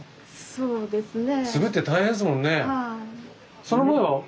そうですね。